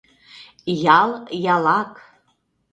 — Ял — ялак.